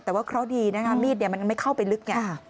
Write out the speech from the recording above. แต่ว่าเคราะห์ดีนะคะมีดมันไม่เข้าไปลึกไง